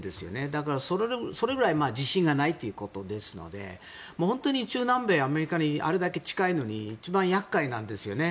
だから、それぐらい自信がないということですので本当に中南米アメリカにあれだけ近いのに一番厄介なんですよね。